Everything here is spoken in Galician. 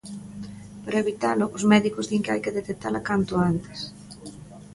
Para evitalo, os médicos din que hai que detectala canto antes.